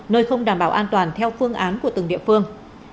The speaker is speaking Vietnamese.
nơi không đảm bảo an toàn theo phương án của từng địa phương